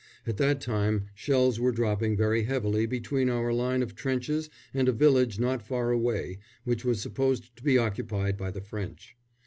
At that time shells were dropping very heavily between our line of trenches and a village not far away which was supposed to be occupied by the French.